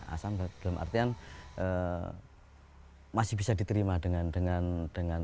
asam dalam artian masih bisa diterima dengan tanpa minum